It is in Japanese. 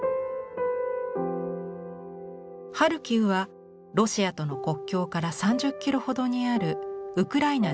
ハルキウはロシアとの国境から３０キロほどにあるウクライナ